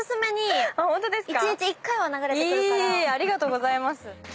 ありがとうございます。